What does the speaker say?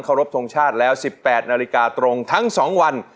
รบทรงชาติแล้ว๑๘นาฬิกาตรงทั้ง๒วัน